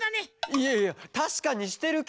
いやいやたしかにしてるけど。